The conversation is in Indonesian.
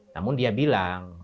namun dia bilang